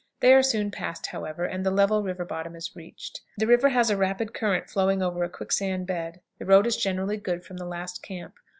They are soon passed, however, and the level river bottom is reached. The river has a rapid current flowing over a quicksand bed. The road is generally good from the last camp.